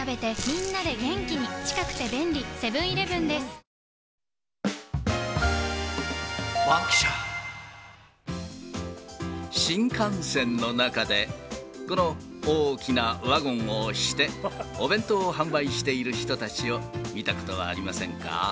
その上で、新幹線の中で、この大きなワゴンを押して、お弁当を販売している人たちを見たことはありませんか？